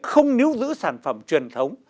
không níu giữ sản phẩm truyền thống